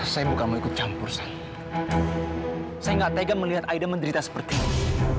saya bukan mau ikut campur saya saya nggak tega melihat aida menderita seperti ini